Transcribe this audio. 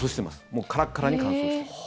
もうカラッカラに乾燥してます。